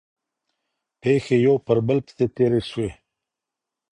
پېښې یو پر بل پسې تېرې سوې.